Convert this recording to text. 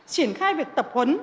triển khai việc tập huấn